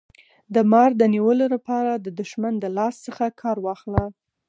د مار د نیولو لپاره د دښمن د لاس څخه کار واخله.